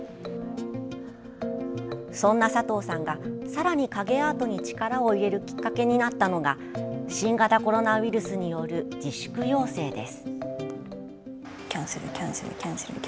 そんな佐藤さんがさらに影アートに力を入れるきっかけになったのが新型コロナウイルスによる自粛要請です。